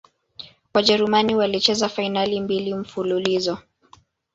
wajerumani walicheza fainali mbili mfululizo